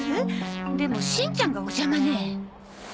でもしんちゃんがお邪魔ね。